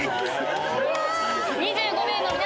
２５名の皆さん